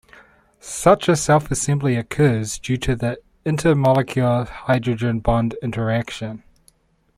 Such a self-assembly occurs due to the inter-molecular hydrogen bond interaction.